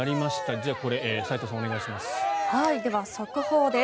じゃあこれ斎藤さん、お願いします。